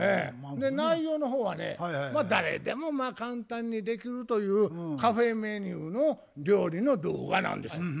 内容の方はね誰でも簡単にできるというカフェメニューの料理の動画なんです。